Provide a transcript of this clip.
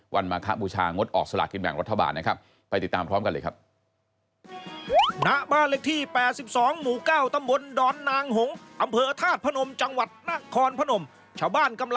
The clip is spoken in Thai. วันมหาบูชางต์ออกสลากินแบ่งรถบาทนะครับ